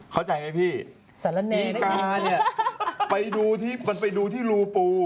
เข้าใจไหมพี่อีกาเนี่ยมันไปดูที่รูปู่